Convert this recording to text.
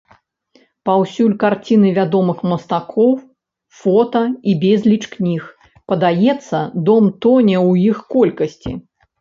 Паўсюль карціны вядомых мастакоў, фота і безліч кніг, падаецца, дом тоне ў іх колькасці.